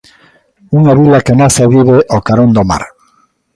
Unha vila que nace e vive ao carón do mar.